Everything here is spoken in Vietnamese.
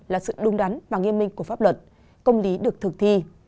là sự đúng đắn và nghiêm minh của pháp luật công lý được thực thi